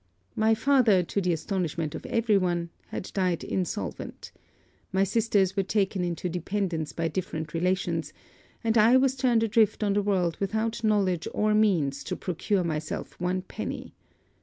My father, to the astonishment of every one, had died insolvent. My sisters were taken into dependence by different relations; and I was turned adrift on the world without knowledge or means to procure myself one penny.